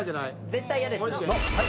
絶対嫌です。